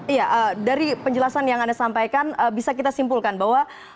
iya dari penjelasan yang anda sampaikan bisa kita simpulkan bahwa